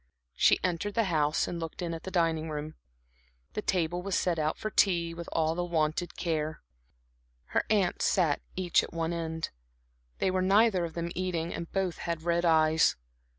She entered the house and looked in at the dining room; the table was set out for tea with all the wonted care. Her aunts sat each at one end; they were neither of them eating and both had red eyes.